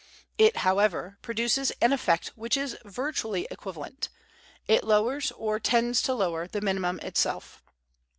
It, however, produces an effect which is virtually equivalent; it lowers, or tends to lower, the minimum itself.